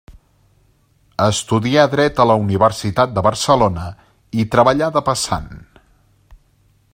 Estudià Dret a la Universitat de Barcelona, i treballà de passant.